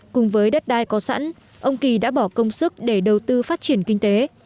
cùng với đất đai có sẵn ông kỳ đã bỏ công sức để đầu tư phát triển kinh tế